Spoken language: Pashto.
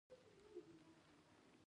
ځاځي میدان د خوست ولایت یوه ولسوالي ده.